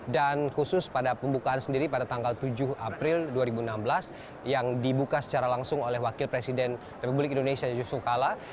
dan khusus pada pembukaan sendiri pada tanggal tujuh april dua ribu enam belas yang dibuka secara langsung oleh wakil presiden republik indonesia yusuf kala